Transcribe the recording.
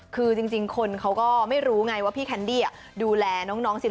คือจริงคนเขาก็ไม่รู้ไงว่าพี่แคนดี้ดูแลน้อง๑๓คนอยู่แล้ว